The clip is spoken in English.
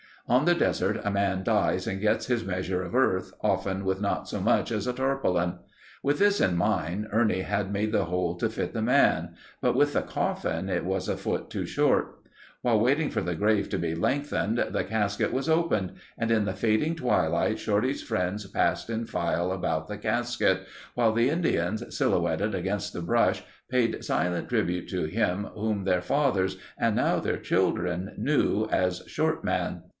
On the desert a man dies and gets his measure of earth—often with not so much as a tarpaulin. With this in mind Ernie had made the hole to fit the man, but with the coffin it was a foot too short. While waiting for the grave to be lengthened, the casket was opened and in the fading twilight Shorty's friends passed in file about the casket, while the Indians, silhouetted against the brush paid silent tribute to him whom their fathers and now their children knew as "Short Man."